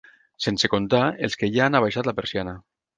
Sense comptar els que ja han abaixat la persiana.